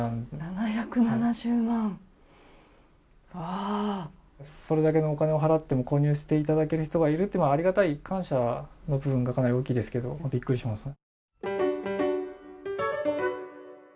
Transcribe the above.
７７０万、わあそれだけのお金を払っても購入していただけるというのはありがたい、感謝の部分がかなり大きいですけどびっくりしましたね。